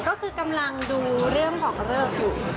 ก็คือกำลังดูเรื่องของเลิกอยู่